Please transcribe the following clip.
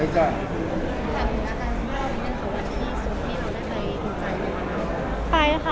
สวัสดีค่ะ